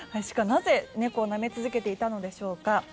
鹿はなぜ、猫をなめ続けていたのでしょうか。